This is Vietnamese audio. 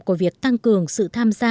của việc tăng cường sự tham gia